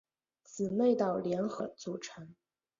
姊妹岛联合组成。